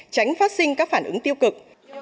tránh phát sinh các phản ứng tiêu cực